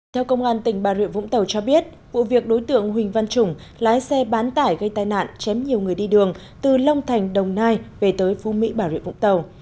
theo công an tỉnh bà rịa vũng tàu cho biết vụ việc đối tượng huỳnh văn trùng lái xe bán tải gây tai nạn chém nhiều người đi đường từ long thành đồng nai về tới phú mỹ bà rịa vũng tàu